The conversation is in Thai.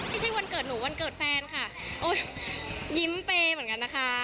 ไม่ใช่วันเกิดหนูวันเกิดแฟนค่ะโอ้ยยิ้มเปย์เหมือนกันนะคะ